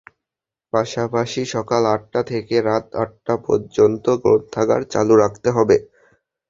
পাশাপাশি সকাল আটটা থেকে রাত আটটা পর্যন্ত গ্রন্থাগার চালু রাখতে হবে।